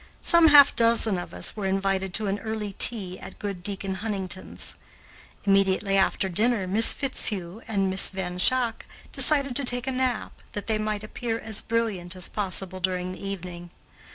Some half dozen of us were invited to an early tea at good Deacon Huntington's. Immediately after dinner, Miss Fitzhugh and Miss Van Schaack decided to take a nap, that they might appear as brilliant as possible during the evening.